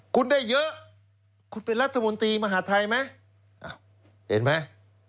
คุณได้เยอะคุณเป็นรัฐมนตรีมหาทัยไหมเห็นไหม